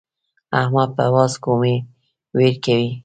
احمد په واز کومې وير کوي.